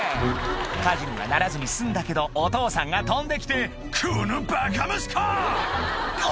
火事にはならずに済んだけどお父さんが飛んで来て「このバカ息子！」